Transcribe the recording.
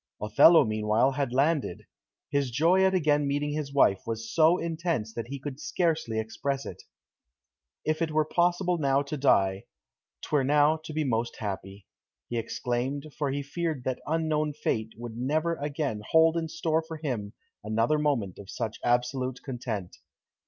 Othello, meanwhile, had landed. His joy at again meeting his wife was so intense that he could scarcely express it. [Illustration: "Ay, smile upon her!"] "If it were possible now to die, 'twere now to be most happy," he exclaimed, for he feared that unknown fate would never again hold in store for him another moment of such absolute content.